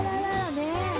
ねえ。